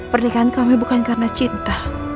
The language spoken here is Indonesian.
pernikahan kami bukan karena cinta